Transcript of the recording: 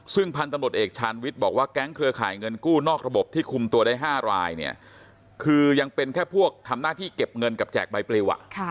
ซึ่งพันธุ์ตำรวจเอกชาญวิทย์บอกว่าแก๊งเครือข่ายเงินกู้นอกระบบที่คุมตัวได้๕รายเนี่ยคือยังเป็นแค่พวกทำหน้าที่เก็บเงินกับแจกใบปลิว